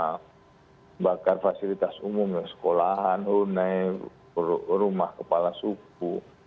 pembakar fasilitas umum ya sekolahan rumah kepala suku